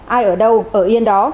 ai ở đâu ở yên đó